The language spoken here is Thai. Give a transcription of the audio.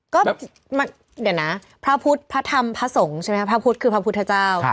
ก็เดี๋ยวนะพระพุทธพระธรรมพระสงฆ์ใช่ไหมครับพระพุทธคือพระพุทธเจ้า